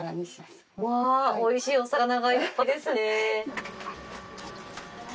うわぁおいしいお魚がいっぱいですね。